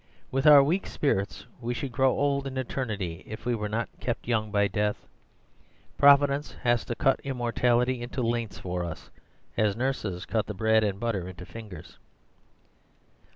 With our weak spirits we should grow old in eternity if we were not kept young by death. Providence has to cut immortality into lengths for us, as nurses cut the bread and butter into fingers.